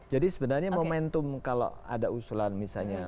jadi sebenarnya momentum kalau ada usulan misalnya